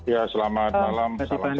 ya selamat malam